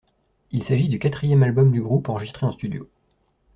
Il s'agit du quatrième album du groupe enregistré en studio.